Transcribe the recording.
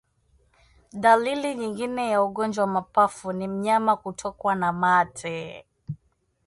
Dalili nyingine ya ugonjwa wa mapafu ni mnyama kutokwa na mate